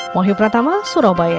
mohi pratama surabaya